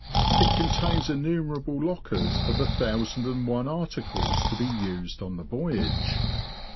It contains innumerable lockers for the thousand and one articles to be used on the voyage.